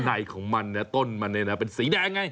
ในของมันต้นมันเป็นสีแดงไง